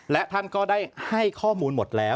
และท่านก็ได้ให้ข้อมูลหมดแล้ว